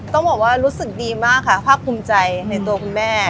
ต้องบอกว่ารู้สึกดีมากค่ะภาคภูมิใจในตัวคุณแม่